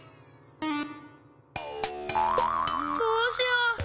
どうしよう。